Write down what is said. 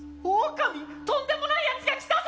とんでもないやつが来たぞ！